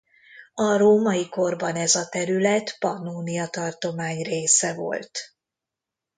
A római korban ez a terület Pannónia tartomány része volt.